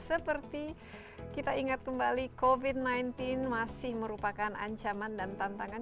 seperti kita ingat kembali covid sembilan belas masih merupakan ancaman dan tantangan